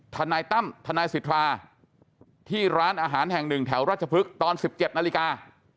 ทนายตั้มทนายสิทธาที่ร้านอาหารแห่งหนึ่งแถวราชพฤกษ์ตอน๑๗นาฬิกา